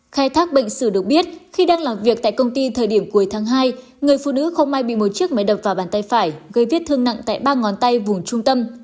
khai thác bệnh sử được biết khi đang làm việc tại công ty thời điểm cuối tháng hai người phụ nữ không may bị một chiếc máy đập vào bàn tay phải gây vết thương nặng tại ba ngón tay vùng trung tâm